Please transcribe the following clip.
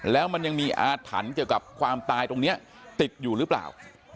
แล้วมันยังมีอาถรรพ์เกี่ยวกับความตายตรงนี้ติดอยู่หรือเปล่า